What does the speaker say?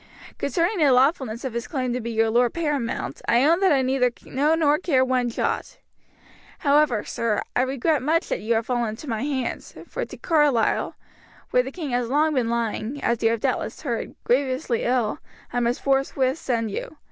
Concerning the lawfulness of his claim to be your lord paramount, I own that I neither know nor care one jot. However, sir, I regret much that you have fallen into my hands, for to Carlisle, where the king has long been lying, as you have doubtless heard, grievously ill, I must forthwith send you.